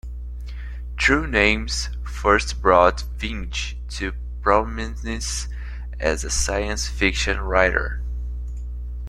"True Names" first brought Vinge to prominence as a science fiction writer.